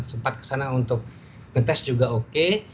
sempat kesana untuk ngetes juga oke